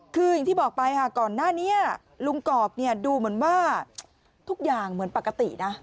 คืออย่างที่บอกไปค่ะก่อนหน้านี้ลุงกรอบเนี่ยดูเหมือนว่าทุกอย่างเหมือนปกตินะ